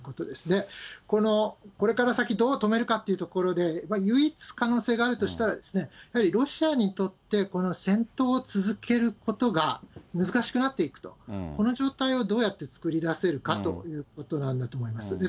で、この、これから先、どう止めるかというところで、唯一可能性があるとしたら、やはりロシアにとって、この戦闘を続けることが難しくなっていくと、この状態をどうやって作り出せるかということなんだと思います。